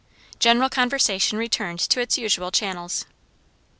General conversation returned to its usual channels.